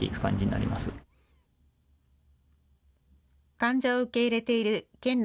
患者を受け入れている県内